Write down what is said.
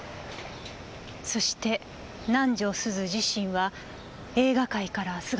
そして南条すず自身は映画界から姿を消した。